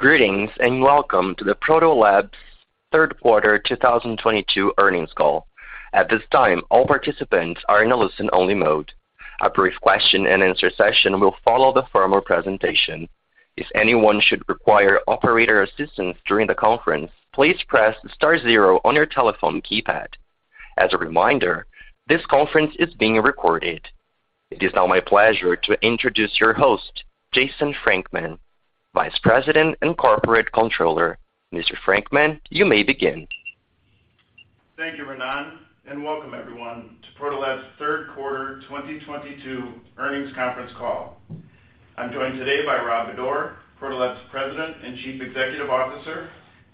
Greetings, and welcome to the ProtoLabs Third Quarter 2022 Earnings Call. At this time, all participants are in a listen-only mode. A brief question-and-answer session will follow the formal presentation. If anyone should require operator assistance during the conference, please press star zero on your telephone keypad. As a reminder, this conference is being recorded. It is now my pleasure to introduce your host, Jason Frankman, Vice President and Corporate Controller. Mr. Frankman, you may begin. Thank you, Ronan, and welcome everyone to Proto Labs third quarter 2022 earnings conference call. I'm joined today by Rob Bodor, Proto Labs President and Chief Executive Officer,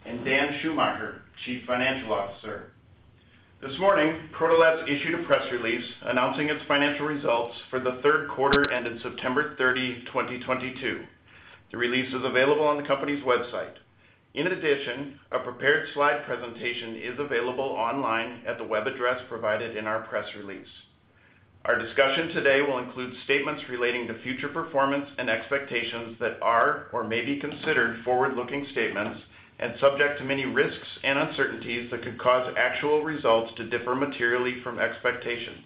and Dan Schumacher, Chief Financial Officer. This morning, Proto Labs issued a press release announcing its financial results for the third quarter ending September 30, 2022. The release is available on the company's website. In addition, a prepared slide presentation is available online at the web address provided in our press release. Our discussion today will include statements relating to future performance and expectations that are or may be considered forward-looking statements and subject to many risks and uncertainties that could cause actual results to differ materially from expectations.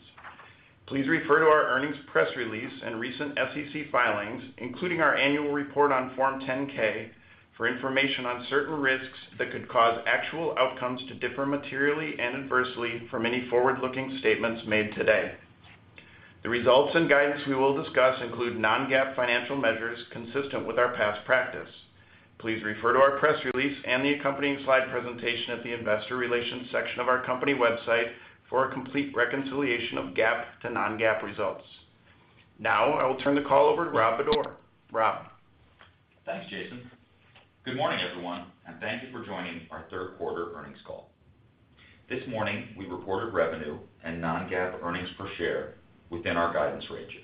Please refer to our earnings press release and recent SEC filings, including our annual report on Form 10-K for information on certain risks that could cause actual outcomes to differ materially and adversely from any forward-looking statements made today. The results and guidance we will discuss include non-GAAP financial measures consistent with our past practice. Please refer to our press release and the accompanying slide presentation at the investor relations section of our company website for a complete reconciliation of GAAP to non-GAAP results. Now I will turn the call over to Rob Bodor. Rob. Thanks, Jason. Good morning, everyone, and thank you for joining our third quarter earnings call. This morning, we reported revenue and non-GAAP earnings per share within our guidance ranges.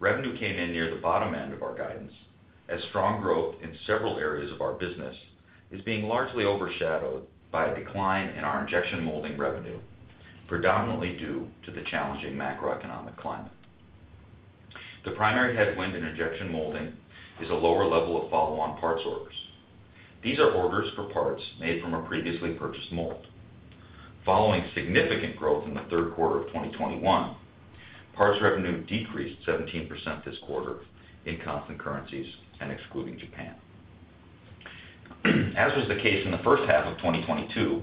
Revenue came in near the bottom end of our guidance as strong growth in several areas of our business is being largely overshadowed by a decline in our Injection Molding revenue, predominantly due to the challenging macroeconomic climate. The primary headwind in Injection Molding is a lower level of follow-on parts orders. These are orders for parts made from a previously purchased mold. Following significant growth in the third quarter of 2021, parts revenue decreased 17% this quarter in constant currencies and excluding Japan. As was the case in the first half of 2022,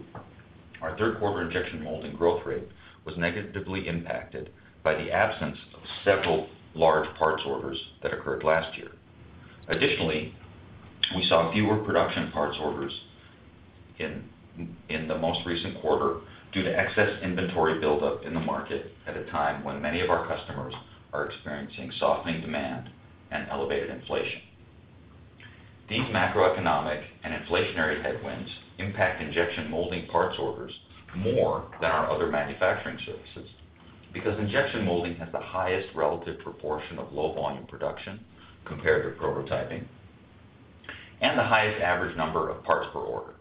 our third quarter Injection Molding growth rate was negatively impacted by the absence of several large parts orders that occurred last year. Additionally, we saw fewer production parts orders in the most recent quarter due to excess inventory buildup in the market at a time when many of our customers are experiencing softening demand and elevated inflation. These macroeconomic and inflationary headwinds impact Injection Molding parts orders more than our other manufacturing services, because Injection Molding has the highest relative proportion of low volume production compared to prototyping and the highest average number of parts per order.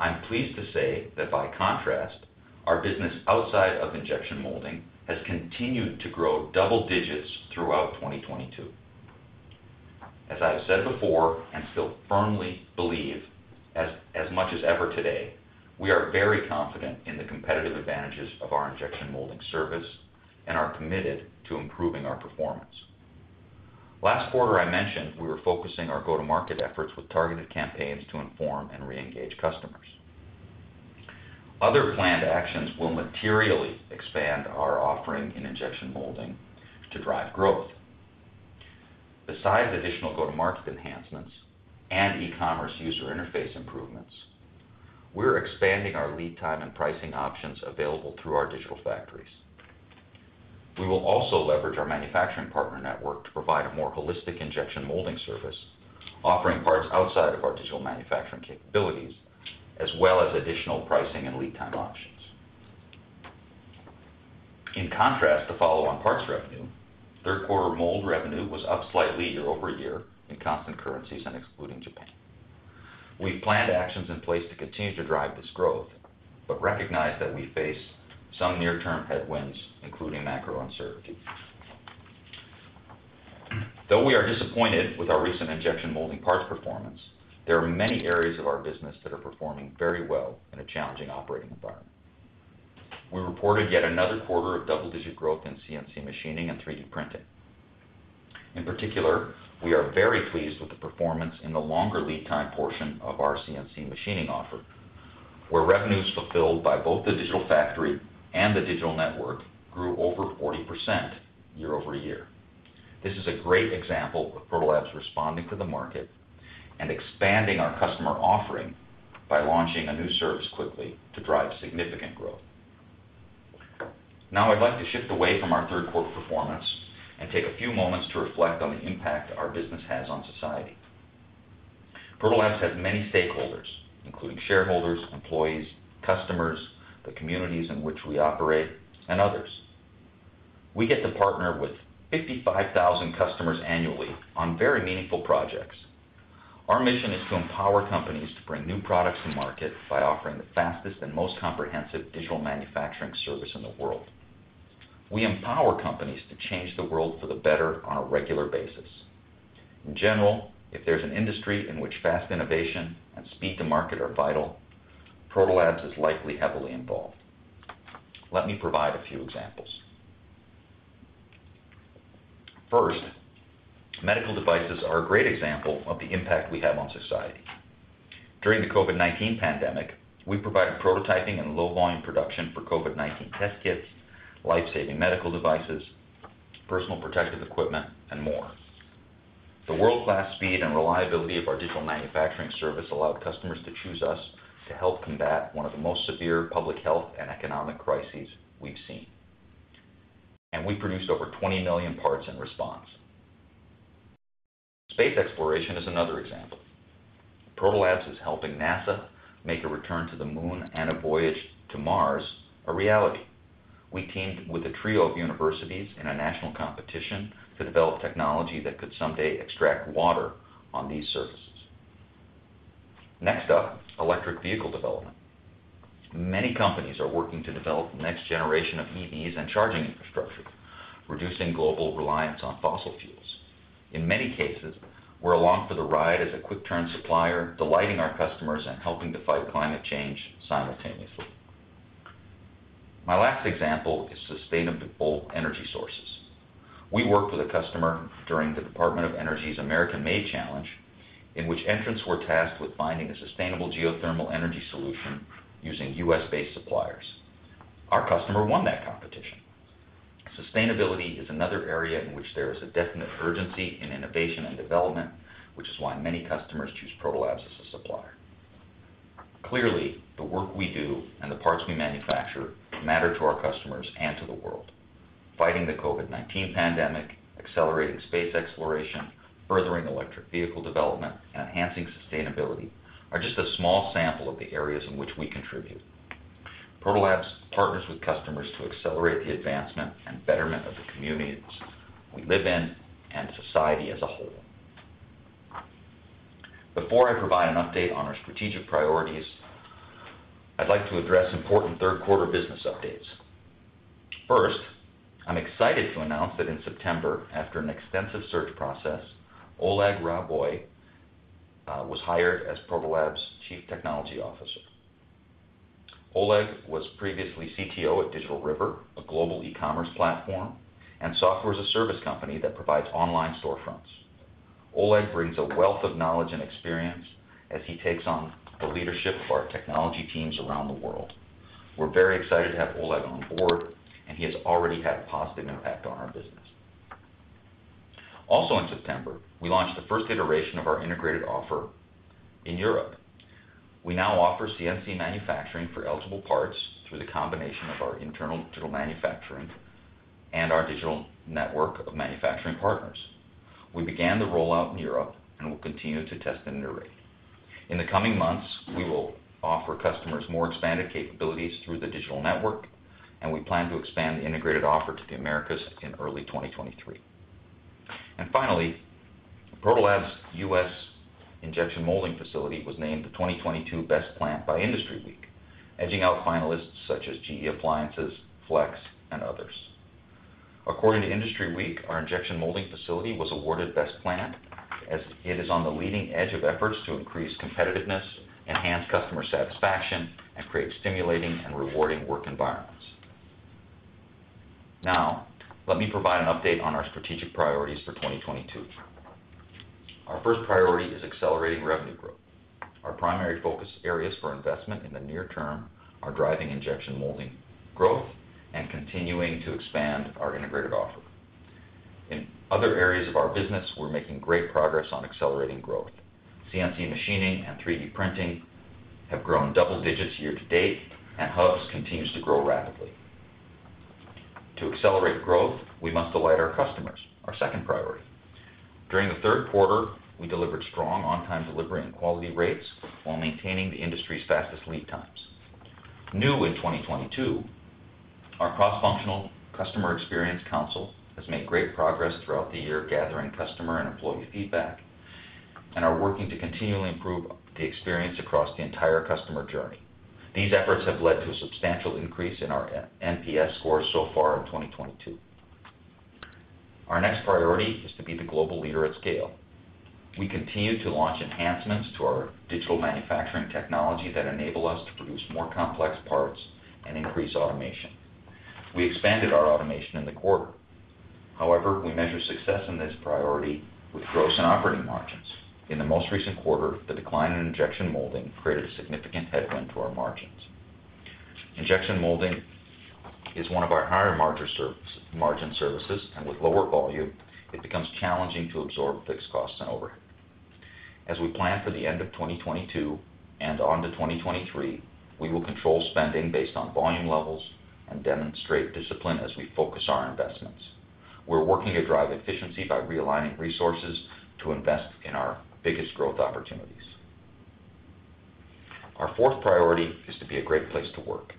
I'm pleased to say that by contrast, our business outside of Injection Molding has continued to grow double digits throughout 2022. As I have said before, and still firmly believe as much as ever today, we are very confident in the competitive advantages of our Injection Molding service and are committed to improving our performance. Last quarter, I mentioned we were focusing our go-to-market efforts with targeted campaigns to inform and re-engage customers. Other planned actions will materially expand our offering in injection molding to drive growth. Besides additional go-to-market enhancements and e-commerce user interface improvements, we're expanding our lead time and pricing options available through our digital factories. We will also leverage our Protolabs Network to provide a more holistic injection molding service, offering parts outside of our digital manufacturing capabilities, as well as additional pricing and lead time options. In contrast to follow-on parts revenue, third quarter mold revenue was up slightly year-over-year in constant currencies and excluding Japan. We've planned actions in place to continue to drive this growth, but recognize that we face some near-term headwinds, including macro uncertainty. Though we are disappointed with our recent Injection Molding parts performance, there are many areas of our business that are performing very well in a challenging operating environment. We reported yet another quarter of double-digit growth in CNC machining and 3D printing. In particular, we are very pleased with the performance in the longer lead time portion of our CNC machining offer, where revenues fulfilled by both the digital factory and the digital network grew over 40% year-over-year. This is a great example of Proto Labs responding to the market and expanding our customer offering by launching a new service quickly to drive significant growth. Now I'd like to shift away from our third quarter performance and take a few moments to reflect on the impact our business has on society. Proto Labs has many stakeholders, including shareholders, employees, customers, the communities in which we operate, and others. We get to partner with 55,000 customers annually on very meaningful projects. Our mission is to empower companies to bring new products to market by offering the fastest and most comprehensive digital manufacturing service in the world. We empower companies to change the world for the better on a regular basis. In general, if there's an industry in which fast innovation and speed to market are vital, Proto Labs is likely heavily involved. Let me provide a few examples. First, medical devices are a great example of the impact we have on society. During the COVID-19 pandemic, we provided prototyping and low volume production for COVID-19 test kits, life-saving medical devices, personal protective equipment, and more. The world-class speed and reliability of our digital manufacturing service allowed customers to choose us to help combat one of the most severe public health and economic crises we've seen. We produced over 20 million parts in response. Space exploration is another example. Protolabs is helping NASA make a return to the moon and a voyage to Mars a reality. We teamed with a trio of universities in a national competition to develop technology that could someday extract water on these surfaces. Next up, electric vehicle development. Many companies are working to develop the next generation of EVs and charging infrastructure, reducing global reliance on fossil fuels. In many cases, we're along for the ride as a quick turn supplier, delighting our customers and helping to fight climate change simultaneously. My last example is sustainable energy sources. We worked with a customer during the Department of Energy's American-Made Challenge, in which entrants were tasked with finding a sustainable geothermal energy solution using US-based suppliers. Our customer won that competition. Sustainability is another area in which there is a definite urgency in innovation and development, which is why many customers choose Protolabs as a supplier. Clearly, the work we do and the parts we manufacture matter to our customers and to the world. Fighting the COVID-19 pandemic, accelerating space exploration, furthering electric vehicle development, and enhancing sustainability are just a small sample of the areas in which we contribute. Protolabs partners with customers to accelerate the advancement and betterment of the communities we live in and society as a whole. Before I provide an update on our strategic priorities, I'd like to address important third quarter business updates. First, I'm excited to announce that in September, after an extensive search process, Oleg Ryaboy was hired as Protolabs Chief Technology Officer. Oleg was previously CTO at Digital River, a global e-commerce platform, and Software as a Service company that provides online storefronts. Oleg brings a wealth of knowledge and experience as he takes on the leadership of our technology teams around the world. We're very excited to have Oleg on board, and he has already had a positive impact on our business. Also, in September, we launched the first iteration of our integrated offer in Europe. We now offer CNC machining for eligible parts through the combination of our internal digital manufacturing and our digital network of manufacturing partners. We began the rollout in Europe and will continue to test and iterate. In the coming months, we will offer customers more expanded capabilities through the digital network, and we plan to expand the integrated offer to the Americas in early 2023. Finally, Protolabs' US injection molding facility was named the 2022 Best Plant by IndustryWeek, edging out finalists such as GE Appliances, Flex, and others. According to IndustryWeek, our injection molding facility was awarded Best Plant as it is on the leading edge of efforts to increase competitiveness, enhance customer satisfaction, and create stimulating and rewarding work environments. Now, let me provide an update on our strategic priorities for 2022. Our first priority is accelerating revenue growth. Our primary focus areas for investment in the near term are driving injection molding growth and continuing to expand our integrated offer. In other areas of our business, we're making great progress on accelerating growth. CNC machining and 3D printing have grown double digits year to date, and Hubs continues to grow rapidly. To accelerate growth, we must delight our customers, our second priority. During the third quarter, we delivered strong on-time delivery and quality rates while maintaining the industry's fastest lead times. New in 2022, our cross-functional customer experience council has made great progress throughout the year, gathering customer and employee feedback, and are working to continually improve the experience across the entire customer journey. These efforts have led to a substantial increase in our NPS scores so far in 2022. Our next priority is to be the global leader at scale. We continue to launch enhancements to our digital manufacturing technology that enable us to produce more complex parts and increase automation. We expanded our automation in the quarter. However, we measure success in this priority with gross and operating margins. In the most recent quarter, the decline in injection molding created a significant headwind to our margins. Injection molding is one of our higher margin services, and with lower volume, it becomes challenging to absorb fixed costs and overhead. As we plan for the end of 2022 and onto 2023, we will control spending based on volume levels and demonstrate discipline as we focus our investments. We're working to drive efficiency by realigning resources to invest in our biggest growth opportunities. Our fourth priority is to be a great place to work.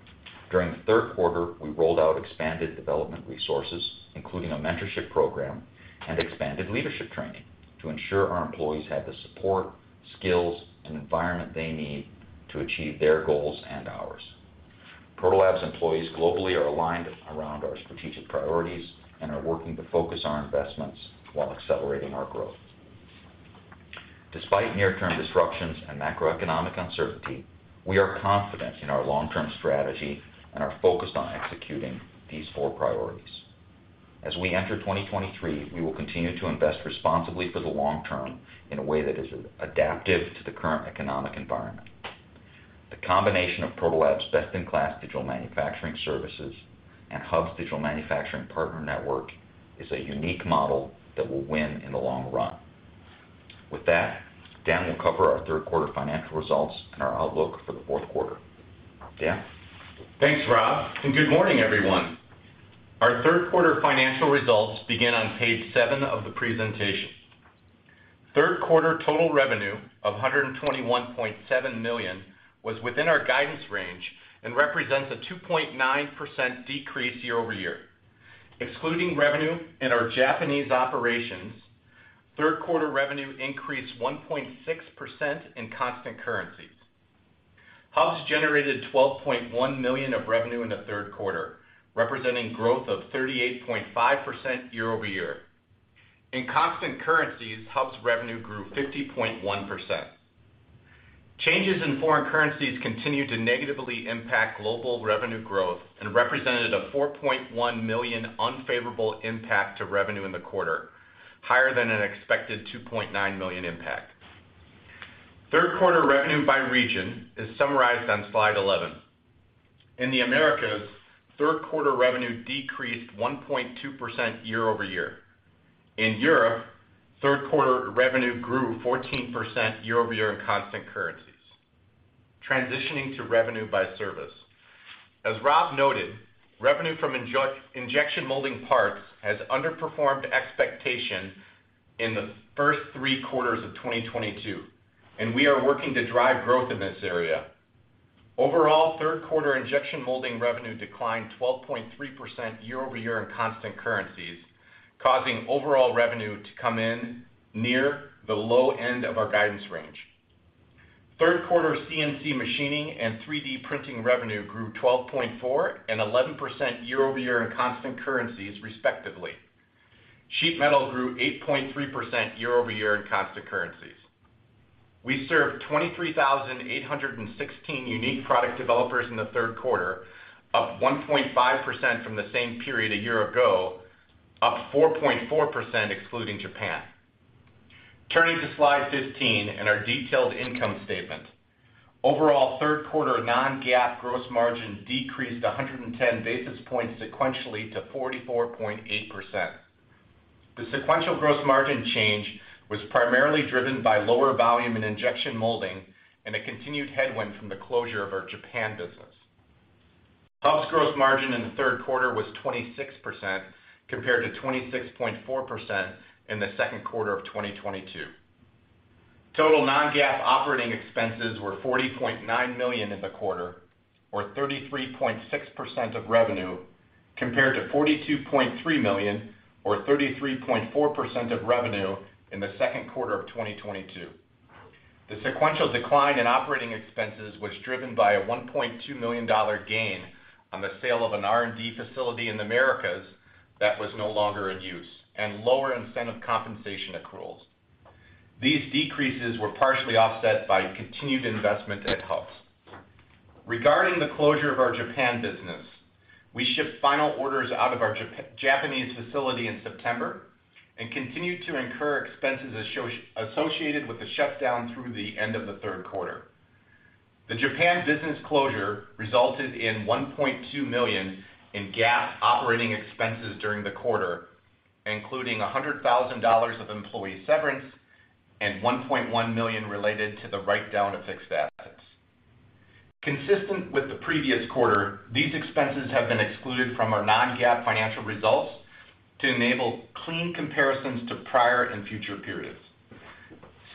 During the third quarter, we rolled out expanded development resources, including a mentorship program and expanded leadership training to ensure our employees have the support, skills, and environment they need to achieve their goals and ours. Proto Labs employees globally are aligned around our strategic priorities and are working to focus our investments while accelerating our growth. Despite near-term disruptions and macroeconomic uncertainty, we are confident in our long-term strategy and are focused on executing these four priorities. As we enter 2023, we will continue to invest responsibly for the long term in a way that is adaptive to the current economic environment. The combination of Protolabs best-in-class digital manufacturing services and Hubs digital manufacturing partner network is a unique model that will win in the long run. With that, Dan will cover our third quarter financial results and our outlook for the fourth quarter. Dan? Thanks, Rob, and good morning, everyone. Our third quarter financial results begin on page 7 of the presentation. Third quarter total revenue of $121.7 million was within our guidance range and represents a 2.9% decrease year-over-year. Excluding revenue in our Japanese operations, third quarter revenue increased 1.6% in constant currencies. Hubs generated $12.1 million of revenue in the third quarter, representing growth of 38.5% year-over-year. In constant currencies, Hubs revenue grew 50.1%. Changes in foreign currencies continued to negatively impact global revenue growth and represented a $4.1 million unfavorable impact to revenue in the quarter, higher than an expected $2.9 million impact. Third quarter revenue by region is summarized on slide 11. In the Americas, third quarter revenue decreased 1.2% year over year. In Europe, third quarter revenue grew 14% year over year in constant currencies. Transitioning to revenue by service. As Rob noted, revenue from Injection Molding parts has underperformed expectation in the first three quarters of 2022, and we are working to drive growth in this area. Overall, third quarter Injection Molding revenue declined 12.3% year over year in constant currencies, causing overall revenue to come in near the low end of our guidance range. Third quarter CNC machining and 3D printing revenue grew 12.4% and 11% year over year in constant currencies, respectively. Sheet Metal grew 8.3% year over year in constant currencies. We served 23,816 unique product developers in the third quarter, up 1.5% from the same period a year ago, up 4.4% excluding Japan. Turning to slide 15 and our detailed income statement. Overall, third quarter non-GAAP gross margin decreased 110 basis points sequentially to 44.8%. The sequential gross margin change was primarily driven by lower volume in Injection Molding and a continued headwind from the closure of our Japan business. Hubs gross margin in the third quarter was 26% compared to 26.4% in the second quarter of 2022. Total non-GAAP operating expenses were $40.9 million in the quarter or 33.6% of revenue, compared to $42.3 million or 33.4% of revenue in the second quarter of 2022. The sequential decline in operating expenses was driven by a $1.2 million gain on the sale of an R&D facility in the Americas that was no longer in use and lower incentive compensation accruals. These decreases were partially offset by continued investment at Hubs. Regarding the closure of our Japan business, we shipped final orders out of our Japanese facility in September and continued to incur expenses associated with the shutdown through the end of the third quarter. The Japan business closure resulted in $1.2 million in GAAP operating expenses during the quarter, including $100,000 of employee severance and $1.1 million related to the write-down of fixed assets. Consistent with the previous quarter, these expenses have been excluded from our non-GAAP financial results to enable clean comparisons to prior and future periods.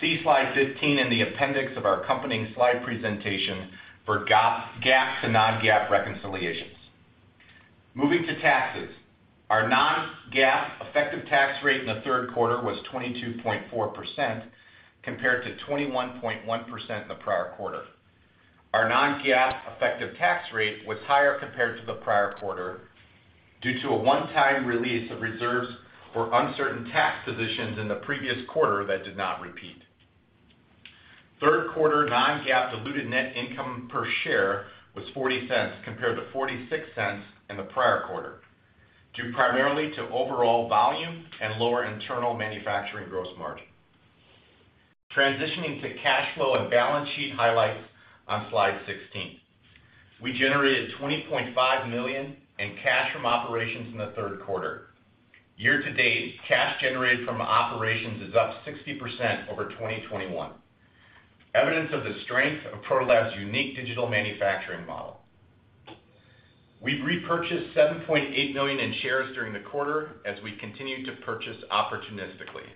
See slide 15 in the appendix of our accompanying slide presentation for GAAP to non-GAAP reconciliations. Moving to taxes. Our non-GAAP effective tax rate in the third quarter was 22.4% compared to 21.1% in the prior quarter. Our non-GAAP effective tax rate was higher compared to the prior quarter due to a one-time release of reserves for uncertain tax positions in the previous quarter that did not repeat. Third quarter non-GAAP diluted net income per share was $0.40 compared to $0.46 in the prior quarter, due primarily to overall volume and lower internal manufacturing gross margin. Transitioning to cash flow and balance sheet highlights on slide 16. We generated $20.5 million in cash from operations in the third quarter. Year to date, cash generated from operations is up 60% over 2021, evidence of the strength of Protolabs' unique digital manufacturing model. We've repurchased 7.8 million shares during the quarter as we continue to purchase opportunistically.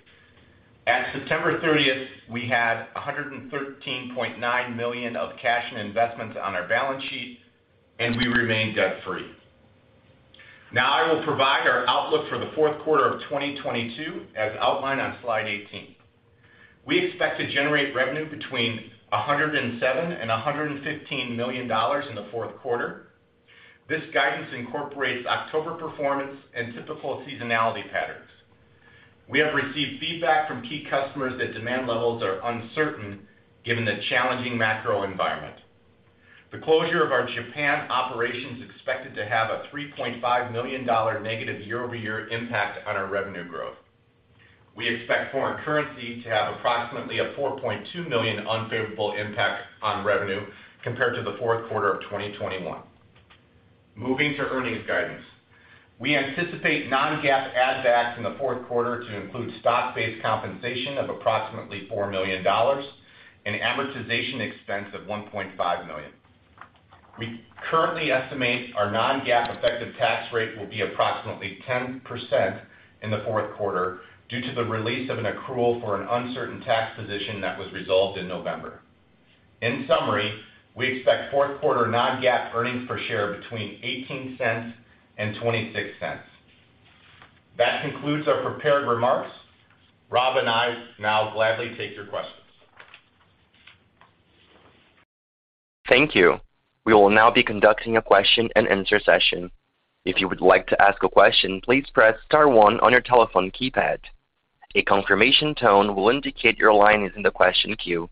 At September 30th, we had $113.9 million of cash and investments on our balance sheet, and we remain debt-free. Now I will provide our outlook for the fourth quarter of 2022 as outlined on slide 18. We expect to generate revenue between $107 million and $115 million in the fourth quarter. This guidance incorporates October performance and typical seasonality patterns. We have received feedback from key customers that demand levels are uncertain given the challenging macro environment. The closure of our Japan operations is expected to have a $3.5 million negative year-over-year impact on our revenue growth. We expect foreign currency to have approximately a $4.2 million unfavorable impact on revenue compared to the fourth quarter of 2021. Moving to earnings guidance. We anticipate non-GAAP add backs in the fourth quarter to include stock-based compensation of approximately $4 million and amortization expense of $1.5 million. We currently estimate our non-GAAP effective tax rate will be approximately 10% in the fourth quarter due to the release of an accrual for an uncertain tax position that was resolved in November. In summary, we expect fourth quarter non-GAAP earnings per share between $0.18 and $0.26. That concludes our prepared remarks. Rob and I now gladly take your questions. Thank you. We will now be conducting a question-and-answer session. If you would like to ask a question, please press star one on your telephone keypad. A confirmation tone will indicate your line is in the question queue.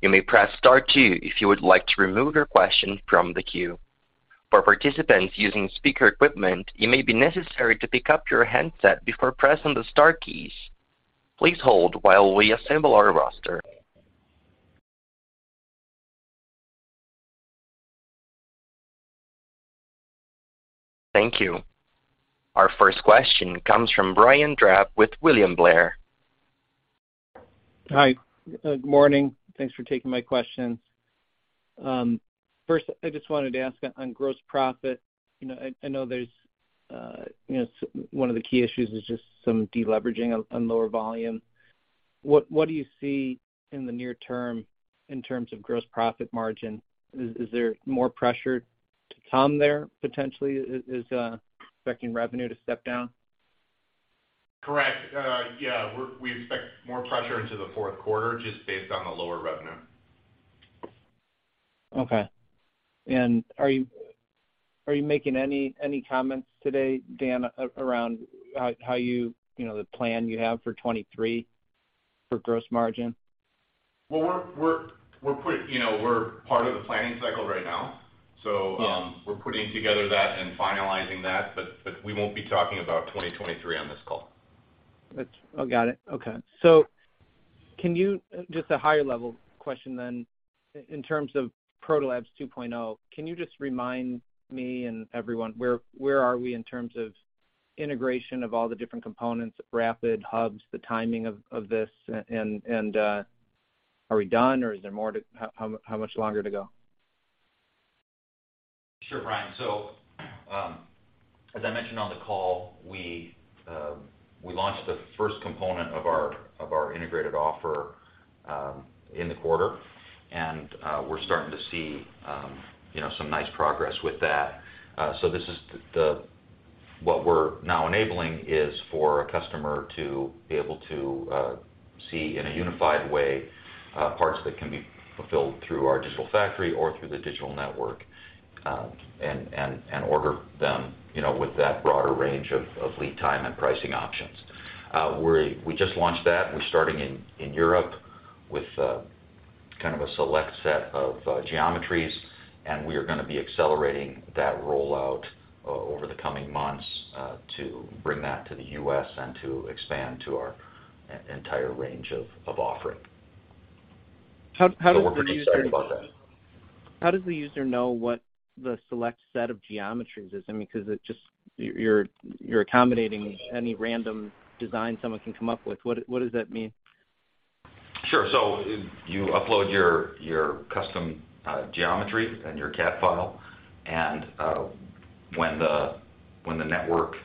You may press star two if you would like to remove your question from the queue. For participants using speaker equipment, it may be necessary to pick up your handset before pressing the star keys. Please hold while we assemble our roster. Thank you. Our first question comes from Brian Drab with William Blair. Hi. Good morning. Thanks for taking my questions. First, I just wanted to ask on gross profit. You know, I know there's, you know, one of the key issues is just some deleveraging on lower volume. What do you see in the near term in terms of gross profit margin? Is there more pressure to come there potentially as expecting revenue to step down? Correct. Yeah. We expect more pressure into the fourth quarter just based on the lower revenue. Okay. Are you making any comments today, Dan, around how you know the plan you have for 2023 for gross margin? Well, you know, we're part of the planning cycle right now. Yeah. We're putting together that and finalizing that, but we won't be talking about 2023 on this call. Oh, got it. Okay. Just a higher level question then. In terms of Protolabs 2.0, can you just remind me and everyone where we are in terms of integration of all the different components, rapid, Hubs, the timing of this? And are we done, or is there more to how much longer to go? Sure, Brian. As I mentioned on the call, we launched the first component of our integrated offer in the quarter. We're starting to see you know some nice progress with that. This is what we're now enabling is for a customer to be able to see in a unified way parts that can be fulfilled through our digital factory or through the digital network and order them you know with that broader range of lead time and pricing options. We just launched that. We're starting in Europe with kind of a select set of geometries, and we are gonna be accelerating that rollout over the coming months to bring that to the US and to expand to our entire range of offering. How does the user- We're pretty excited about that. How does the user know what the select set of geometries is? I mean, 'cause it just, you're accommodating any random design someone can come up with. What does that mean? Sure. You upload your custom geometry and your CAD file, and when the network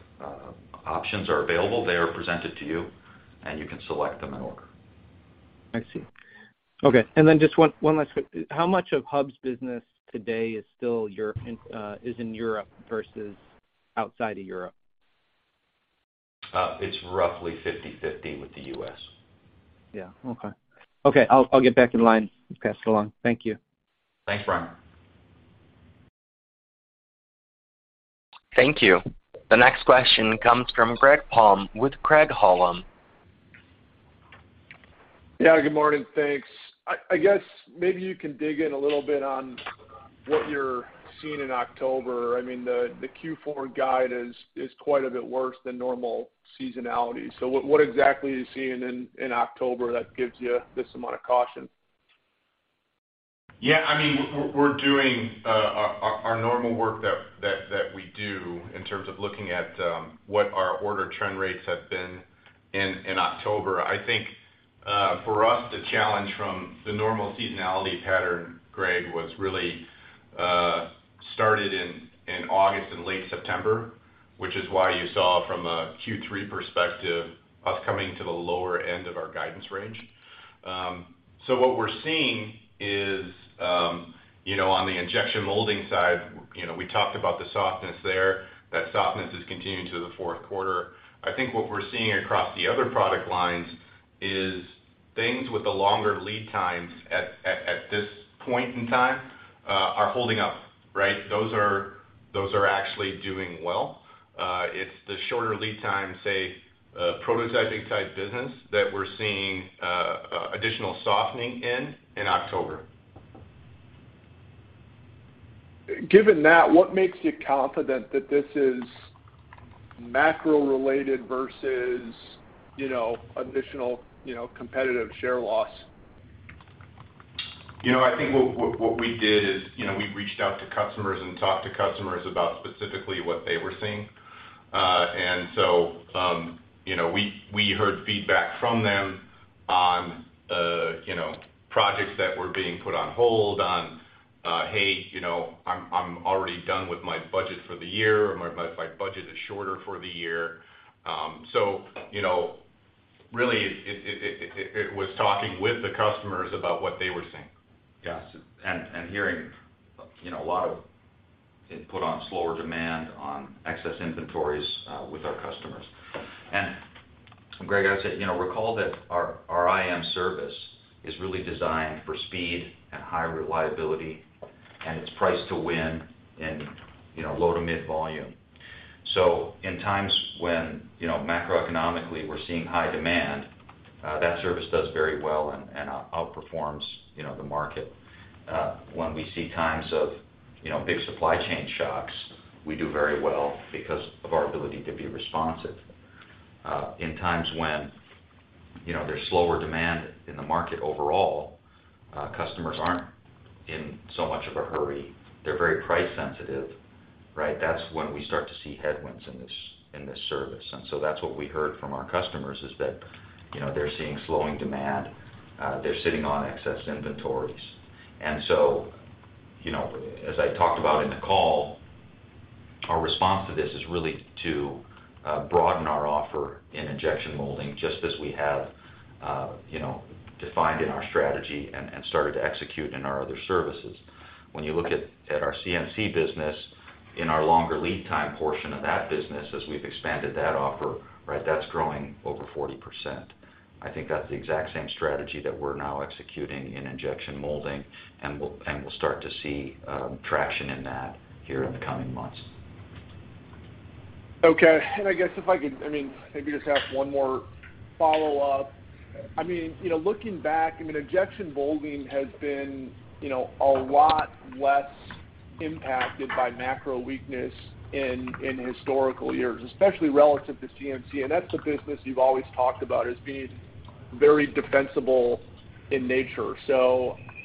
options are available, they are presented to you, and you can select them in order. I see. Okay. Then just one last question. How much of Hubs' business today is still in Europe versus outside of Europe? It's roughly 50/50 with the US Yeah. Okay. I'll get back in line. You pass it along. Thank you. Thanks, Brian. Thank you. The next question comes from Greg Palm with Craig-Hallum. Yeah, good morning. Thanks. I guess maybe you can dig in a little bit on what you're seeing in October. I mean, the Q4 guide is quite a bit worse than normal seasonality. What exactly are you seeing in October that gives you this amount of caution? Yeah. I mean, we're doing our normal work that we do in terms of looking at what our order trend rates have been in October. I think for us, the challenge from the normal seasonality pattern, Greg, was really started in August and late September, which is why you saw from a Q3 perspective us coming to the lower end of our guidance range. What we're seeing is you know, on the Injection Molding side, you know, we talked about the softness there. That softness has continued to the fourth quarter. I think what we're seeing across the other product lines is things with the longer lead times at this point in time are holding up, right? Those are actually doing well. It's the shorter lead time, say, prototyping type business that we're seeing additional softening in October. Given that, what makes you confident that this is macro-related versus, you know, additional, you know, competitive share loss? You know, I think what we did is, you know, we reached out to customers and talked to customers about specifically what they were seeing. We heard feedback from them on, you know, projects that were being put on hold, "Hey, you know, I'm already done with my budget for the year, or my budget is shorter for the year." You know, really it was talking with the customers about what they were seeing. Yes. Hearing, you know, a lot of input on slower demand on excess inventories with our customers. Greg, I'd say, you know, recall that our IM service is really designed for speed and high reliability, and it's priced to win in, you know, low to mid volume. In times when, you know, macroeconomically, we're seeing high demand, that service does very well and outperforms, you know, the market. When we see times of, you know, big supply chain shocks, we do very well because of our ability to be responsive. In times when, you know, there's slower demand in the market overall, customers aren't in so much of a hurry. They're very price sensitive, right? That's when we start to see headwinds in this service. That's what we heard from our customers is that, you know, they're seeing slowing demand. They're sitting on excess inventories. You know, as I talked about in the call, our response to this is really to broaden our offer in Injection Molding, just as we have, you know, defined in our strategy and started to execute in our other services. When you look at our CNC business, in our longer lead time portion of that business, as we've expanded that offer, right, that's growing over 40%. I think that's the exact same strategy that we're now executing in Injection Molding, and we'll start to see traction in that here in the coming months. Okay. I guess if I could, I mean, maybe just ask one more follow-up. I mean, you know, looking back, I mean, injection molding has been, you know, a lot less impacted by macro weakness in historical years, especially relative to CNC, and that's a business you've always talked about as being very defensible in nature.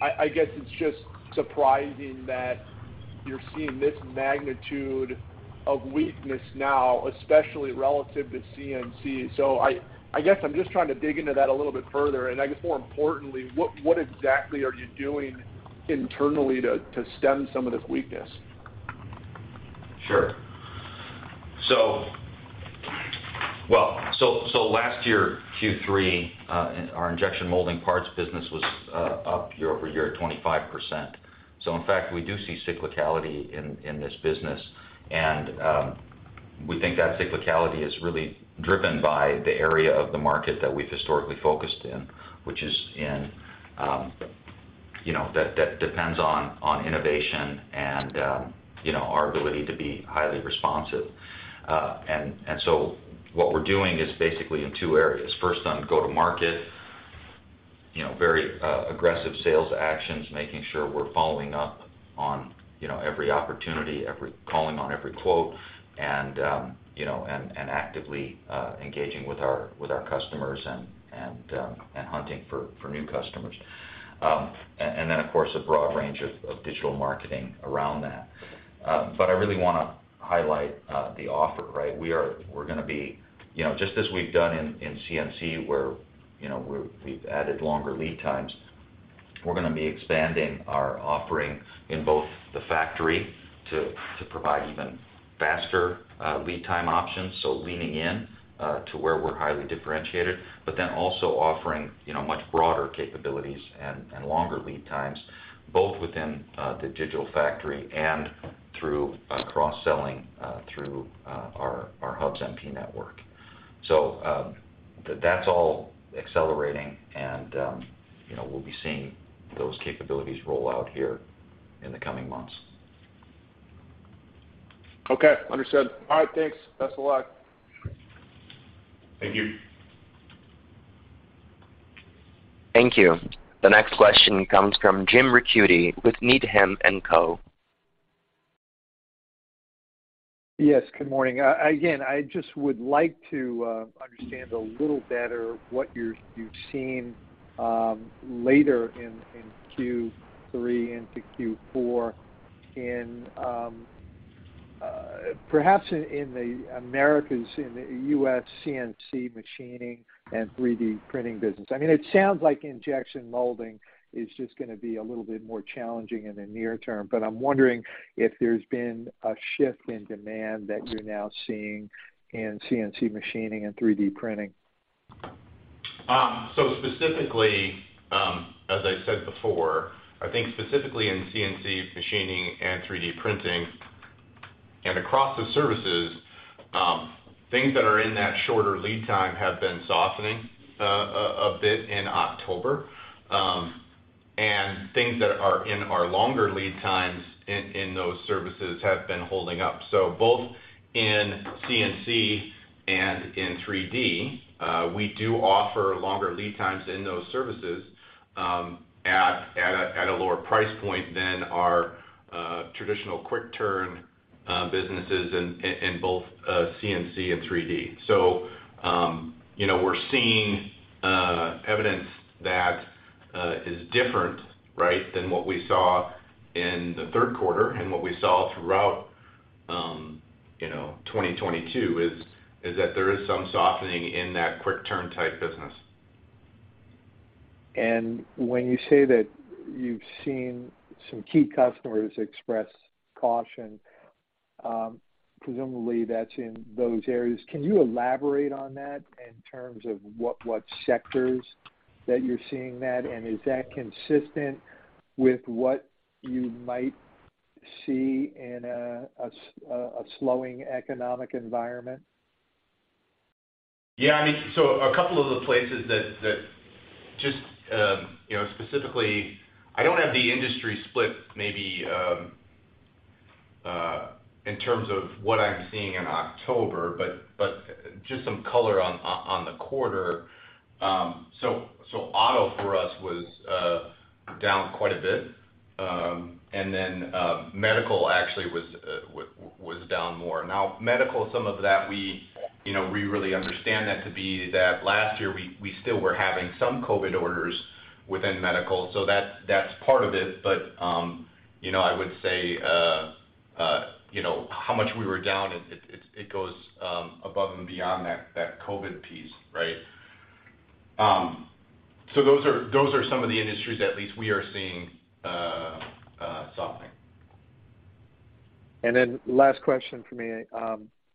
I guess it's just surprising that you're seeing this magnitude of weakness now, especially relative to CNC. I guess I'm just trying to dig into that a little bit further, and I guess more importantly, what exactly are you doing internally to stem some of this weakness? Sure. Well, last year, Q3, our Injection Molding parts business was up year-over-year 25%. In fact, we do see cyclicality in this business. We think that cyclicality is really driven by the area of the market that we've historically focused in, which is in you know, that depends on innovation and you know, our ability to be highly responsive. What we're doing is basically in two areas. First on go-to-market, you know, very aggressive sales actions, making sure we're following up on you know, every opportunity, calling on every quote, and actively engaging with our customers and hunting for new customers. Of course, a broad range of digital marketing around that. I really wanna highlight the offer, right? We're gonna be you know just as we've done in CNC where we've added longer lead times, we're gonna be expanding our offering in both the factory to provide even faster lead time options, so leaning in to where we're highly differentiated, but then also offering you know much broader capabilities and longer lead times, both within the digital factory and through cross-selling through our Protolabs Network. That's all accelerating and you know we'll be seeing those capabilities roll out here in the coming months. Okay. Understood. All right, thanks. Thanks a lot. Thank you. Thank you. The next question comes from James Ricchiuti with Needham & Co. Yes, good morning. Again, I just would like to understand a little better what you've seen later in Q3 into Q4 in perhaps in the Americas, in the US CNC machining and 3D printing business. I mean, it sounds like Injection Molding. It's just gonna be a little bit more challenging in the near term. I'm wondering if there's been a shift in demand that you're now seeing in CNC machining and 3D printing? Specifically, as I said before, I think specifically in CNC machining and 3D printing and across the services, things that are in that shorter lead time have been softening a bit in October. Things that are in our longer lead times in those services have been holding up. Both in CNC and in 3D, we do offer longer lead times in those services at a lower price point than our traditional quick turn businesses in both CNC and 3D. You know, we're seeing evidence that is different, right, than what we saw in the third quarter and what we saw throughout, you know, 2022, that there is some softening in that quick turn type business. When you say that you've seen some key customers express caution, presumably that's in those areas. Can you elaborate on that in terms of what sectors that you're seeing that? Is that consistent with what you might see in a slowing economic environment? Yeah. I mean, a couple of the places that just, you know, specifically I don't have the industry split maybe, in terms of what I'm seeing in October, but just some color on the quarter. Auto for us was down quite a bit. Medical actually was down more. Now medical, some of that, you know, we really understand that to be that last year we still were having some COVID orders within medical, so that's part of it. You know, I would say, you know, how much we were down, it goes above and beyond that COVID piece, right? Those are some of the industries at least we are seeing softening. Last question for me.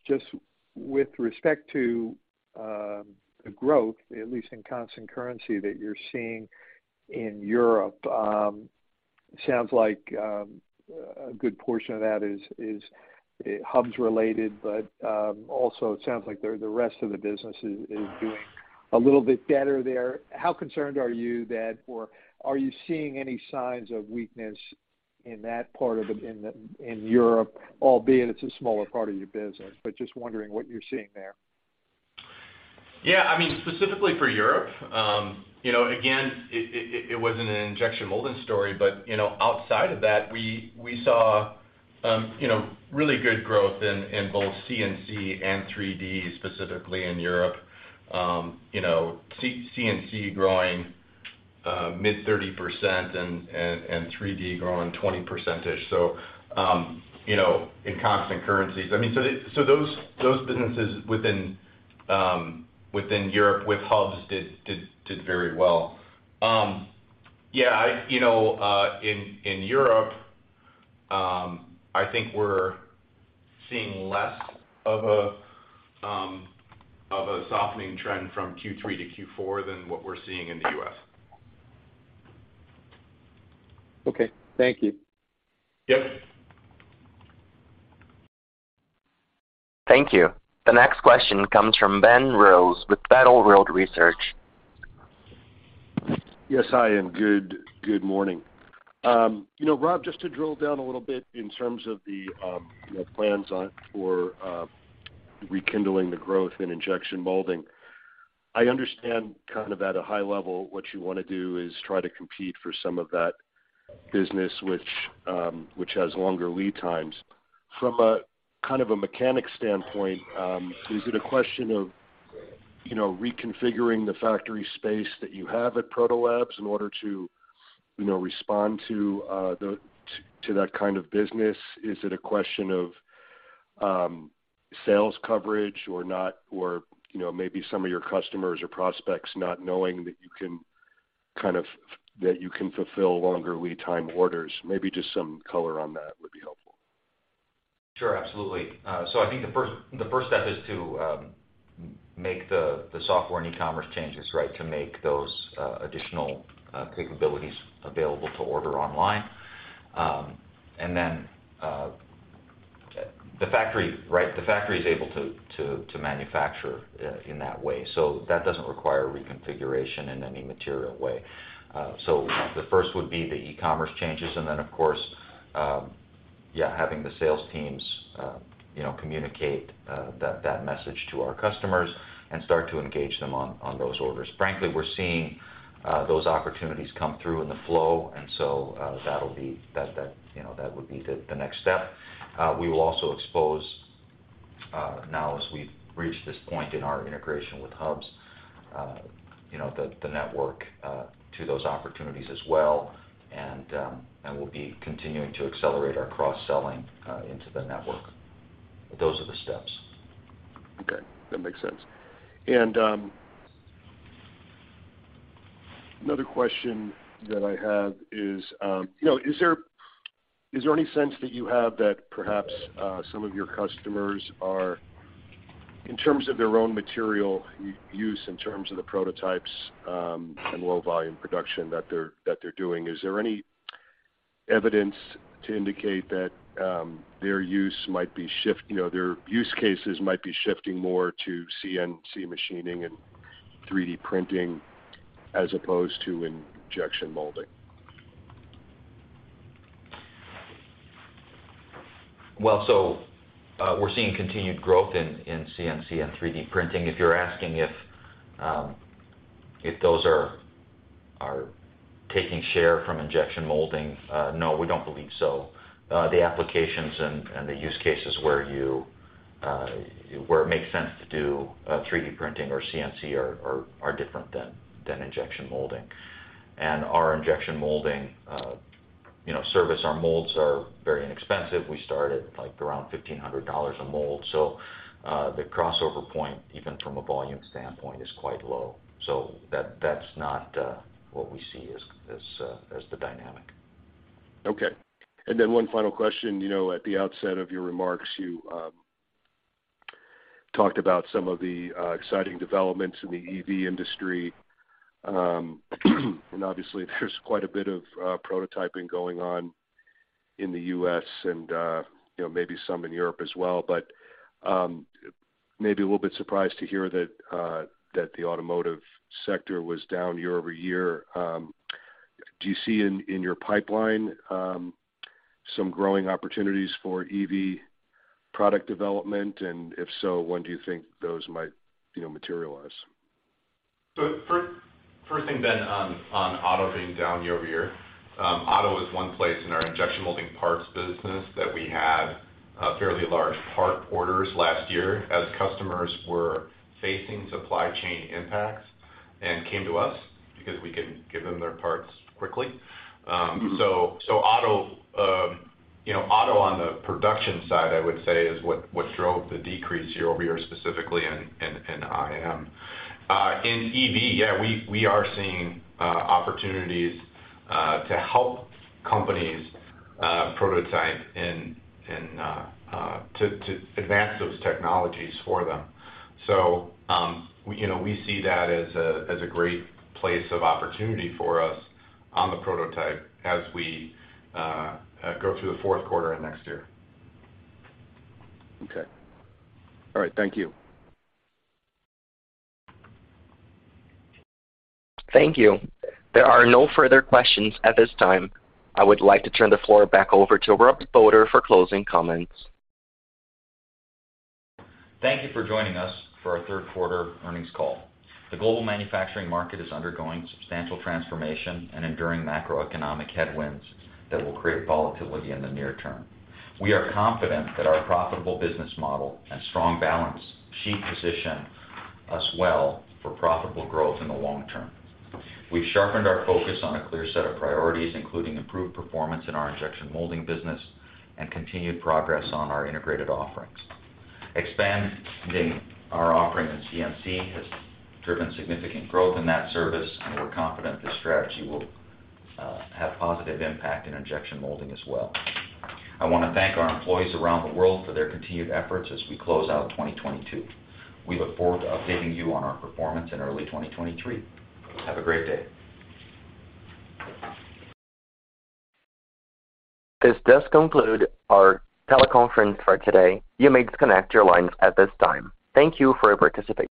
Just with respect to growth, at least in constant currency that you're seeing in Europe, sounds like a good portion of that is Hubs related, but also it sounds like the rest of the business is doing a little bit better there. Or are you seeing any signs of weakness in that part of it in Europe, albeit it's a smaller part of your business? Just wondering what you're seeing there. Yeah, I mean, specifically for Europe, you know, again, it wasn't an injection molding story. But you know, outside of that, we saw really good growth in both CNC and 3D, specifically in Europe. CNC growing mid-30% and 3D growing 20%. In constant currencies, I mean, those businesses within Europe with Hubs did very well. In Europe, I think we're seeing less of a softening trend from Q3 to Q4 than what we're seeing in the US Okay. Thank you. Yep. Thank you. The next question comes from Ben Rose with Battle Road Research. Yes, hi, and good morning. You know, Rob, just to drill down a little bit in terms of the, you know, plans for rekindling the growth in injection molding. I understand kind of at a high level what you wanna do is try to compete for some of that business which has longer lead times. From a kind of a mechanics standpoint, is it a question of, you know, reconfiguring the factory space that you have at Protolabs in order to, you know, respond to that kind of business? Is it a question of sales coverage or not, or you know, maybe some of your customers or prospects not knowing that you can kind of fulfill longer lead time orders? Maybe just some color on that would be helpful. Sure. Absolutely. I think the first step is to make the software and e-commerce changes, right, to make those additional capabilities available to order online. Then the factory, right, is able to manufacture in that way. That doesn't require reconfiguration in any material way. The first would be the e-commerce changes, and then of course having the sales teams you know communicate that message to our customers and start to engage them on those orders. Frankly, we're seeing those opportunities come through in the flow, and so that'll be the next step. We will also expose, now as we've reached this point in our integration with Hubs, you know, the network, to those opportunities as well, and we'll be continuing to accelerate our cross-selling into the network. Those are the steps. Okay, that makes sense. Another question that I have is, you know, is there any sense that you have that perhaps some of your customers are in terms of their own material use, in terms of the prototypes, and low volume production that they're doing, is there any evidence to indicate that their use cases might be shifting more to CNC machining and 3D printing as opposed to injection molding? We're seeing continued growth in CNC and 3D printing. If you're asking if those are taking share from Injection Molding, no, we don't believe so. The applications and the use cases where it makes sense to do 3D printing or CNC are different than Injection Molding. Our Injection Molding, you know, service, our molds are very inexpensive. We start at, like, around $1,500 a mold. The crossover point, even from a volume standpoint, is quite low. That's not what we see as the dynamic. Okay. Then one final question. You know, at the outset of your remarks, you talked about some of the exciting developments in the EV industry. Obviously there's quite a bit of prototyping going on in the US and, you know, maybe some in Europe as well. Maybe a little bit surprised to hear that the automotive sector was down year-over-year. Do you see in your pipeline some growing opportunities for EV product development? If so, when do you think those might, you know, materialize? First thing, Ben, on auto being down year-over-year. Auto is one place in our Injection Molding parts business that we had a fairly large parts orders last year as customers were facing supply chain impacts and came to us because we can give them their parts quickly. Auto, you know, auto on the production side, I would say is what drove the decrease year-over-year, specifically in IM. In EV, yeah, we are seeing opportunities to help companies prototype and to advance those technologies for them. You know, we see that as a great place of opportunity for us on the prototype as we go through the fourth quarter and next year. Okay. All right. Thank you. Thank you. There are no further questions at this time. I would like to turn the floor back over to Rob Bodor for closing comments. Thank you for joining us for our third quarter earnings call. The global manufacturing market is undergoing substantial transformation and enduring macroeconomic headwinds that will create volatility in the near term. We are confident that our profitable business model and strong balance sheet position us well for profitable growth in the long term. We've sharpened our focus on a clear set of priorities, including improved performance in our Injection Molding business and continued progress on our integrated offerings. Expanding our offering in CNC has driven significant growth in that service, and we're confident this strategy will have positive impact in Injection Molding as well. I wanna thank our employees around the world for their continued efforts as we close out 2022. We look forward to updating you on our performance in early 2023. Have a great day. This does conclude our teleconference for today. You may disconnect your lines at this time. Thank you for participating.